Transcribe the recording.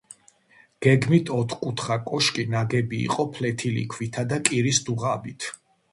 გეგმით ოთხკუთხა კოშკი ნაგები იყო ფლეთილი ქვითა და კირის დუღაბით.